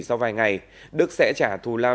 sau vài ngày đức sẽ trả thù lao